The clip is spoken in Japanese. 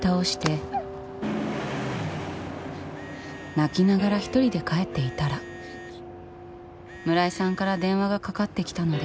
泣きながら１人で帰っていたら村井さんから電話がかかってきたので。